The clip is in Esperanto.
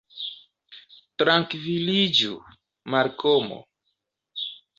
Trankviliĝu, Malkomo.